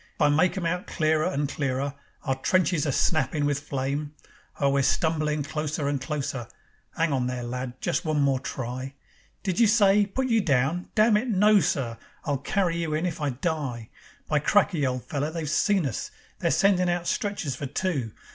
I make 'em out clearer and clearer, Our trenches a snappin' with flame. Oh, we're stumblin' closer and closer. 'Ang on there, lad! Just one more try. Did you say: Put you down? Damn it, no, sir! I'll carry you in if I die. By cracky! old feller, they've seen us. They're sendin' out stretchers for two.